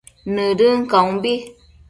Nëdën caumbi